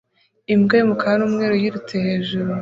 Imbwa y'umukara n'umweru yirutse hejuru